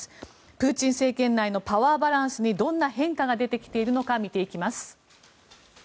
プーチン政権内のパワーバランスにどんな変化が出てきているのか見ていきます。